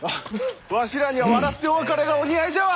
わしらにゃ笑ってお別れがお似合いじゃわ！